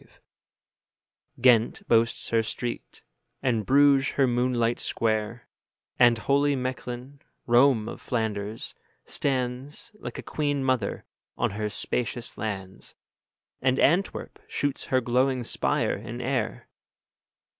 Ghent boasts her street, and Bruges her moonlight square; And holy Mechlin, Rome of Flanders, stands, Like a queen mother, on her spacious lands; And Antwerp shoots her glowing spire in air.